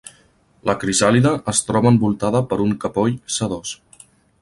La crisàlide es troba envoltada per un capoll sedós.